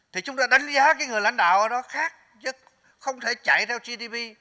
thì chúng ta đánh giá người lãnh đạo ở đó khác nhất không thể chạy theo gdp